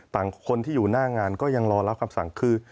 คนที่อยู่หน้างานก็ยังรอรับคำสั่งคือ